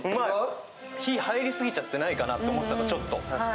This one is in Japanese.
火入りすぎちゃってないかなと思ったの、ちょっと。